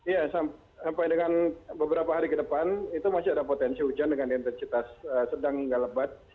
ya sampai dengan beberapa hari ke depan itu masih ada potensi hujan dengan intensitas sedang hingga lebat